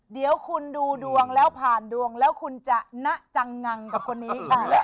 เดี๋ยวคุณดูดวงแล้วผ่านดวงแล้วคุณจะนะจังงังกับคนนี้